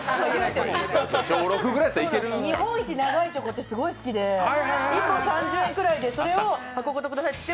日本一長いチョコってすごい好きで１本３０円くらいでそれを箱ごとくださいって言って。